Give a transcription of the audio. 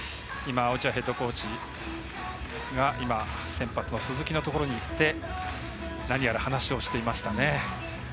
落合ヘッドコーチが先発の鈴木のところに行って何やら話をしていましたね。